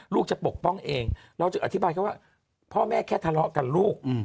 ลูกจะปกป้องเองเราจึงอธิบายเขาว่าพ่อแม่แค่ทะเลาะกันลูก